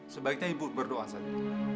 sebaiknya ibu berdoa saja